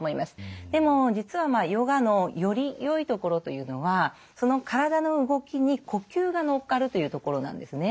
でも実はヨガのよりよいところというのはその体の動きに呼吸が乗っかるというところなんですね。